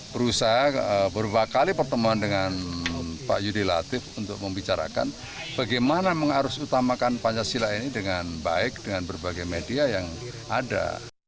berusaha berupa kali pertemuan dengan pak yudi latif untuk membicarakan bagaimana mengarus utamakan pancasila ini dengan baik dengan berbagai media yang ada